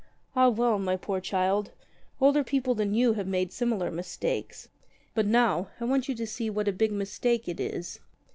41 ^'Ah, well, my poor child, older people than you have made similar mistakes. But now, I want you to see what a big mistake it is.